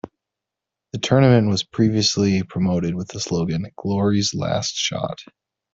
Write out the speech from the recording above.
The tournament was previously promoted with the slogan "Glory's Last Shot".